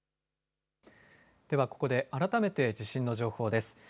ではここで改めて地震の情報です。